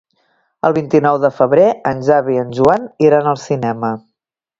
El vint-i-nou de febrer en Xavi i en Joan iran al cinema.